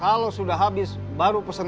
kalau sudah habis kamu bisa pesen dua piring